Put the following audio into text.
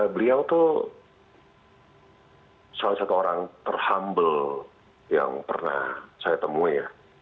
beliau itu salah satu orang terhambel yang pernah saya temui